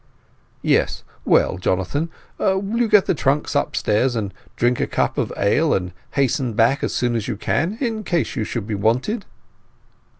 "Yes. Well, Jonathan, will you get the trunks upstairs, and drink a cup of ale, and hasten back as soon as you can, in case you should be wanted?"